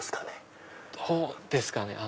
どうですかね。